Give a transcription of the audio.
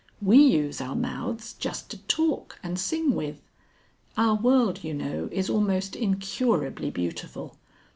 We use our mouths just to talk and sing with. Our world, you know, is almost incurably beautiful.